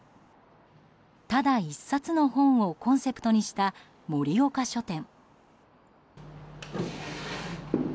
ただ１冊の本をコンセプトにした森岡書店。